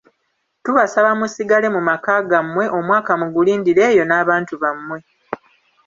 Tubasaba musigale mu maka gammwe omwaka mugulindire eyo n'abantu bammwe.